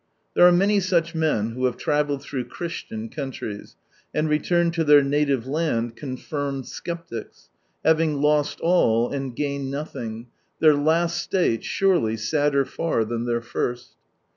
There are many such men who have travelled through " Christian " countries, and returned to their native land confirmed sceptics— having lost all, and gained nothing, their last slate, surely, sadder far than their first.